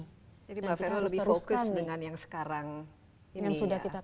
jadi mbak fero lebih fokus dengan yang sekarang